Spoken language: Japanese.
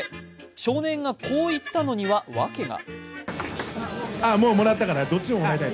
少年がこう言ったのには訳が。